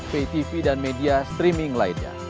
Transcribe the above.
ptv dan media streaming lainnya